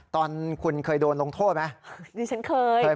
ตอนคุณเคยโดนลงโทษไหม